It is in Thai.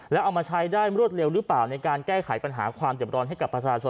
แล้วเอามาใช้ได้รวดเร็วหรือเปล่าในการแก้ไขปัญหาความเจ็บร้อนให้กับประชาชน